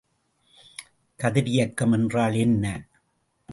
கதிரியக்கம் என்றால் என்ன?